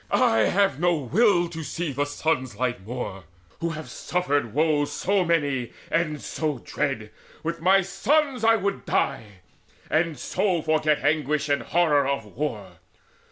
I have no will to see the sun's light more, Who have suffered woes so many and so dread. With my sons would I die, and so forget Anguish and horror of war.